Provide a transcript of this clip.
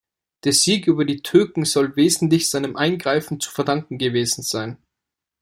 Der Sieg über die Türken soll wesentlich seinem Eingreifen zu verdanken gewesen sein.